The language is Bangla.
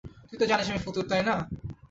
তুই তো জানিস আমি ফতুর, তাই না?